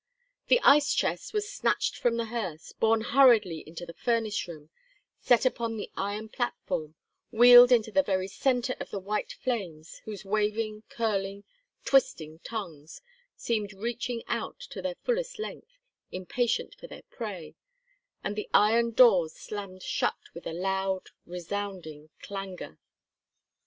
The ice chest was snatched from the hearse, borne hurriedly into the furnace room, set upon the iron platform, wheeled into the very center of the white flames, whose waving, curling, twisting tongues seemed reaching out to their fullest length, impatient for their prey, and the iron doors slammed shut with a loud, resounding clangor.